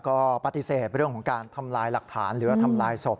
ก็ปฏิเสธเรื่องของการทำลายหลักฐานหรือว่าทำลายศพ